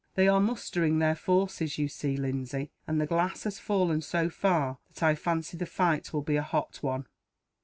"They are mustering their forces, you see, Lindsay; and the glass has fallen so far that I fancy the fight will be a hot one.